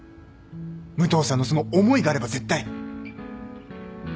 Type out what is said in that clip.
武藤さんのその思いがあれば絶対